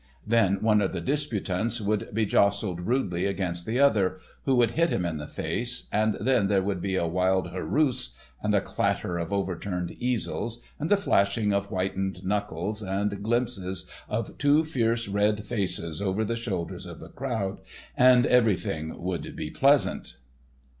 Then one of the disputants would be jostled rudely against the other, who would hit him in the face, and then there would be a wild hooroosh and a clatter of overturned easels and the flashing of whitened knuckles and glimpses of two fierce red faces over the shoulders of the crowd, and everything would be pleasant.